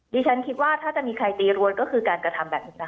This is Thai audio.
ดิฉันคิดว่าถ้าจะมีใครตีรวนก็คือการกระทำแบบนี้นะคะ